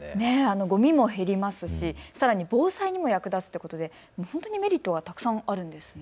ゴミも減りますし、さらに防災にも役立つということでメリットはたくさんあるんですね。